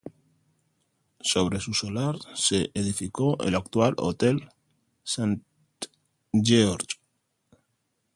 Sobre su solar se edificó el actual Hotel St George.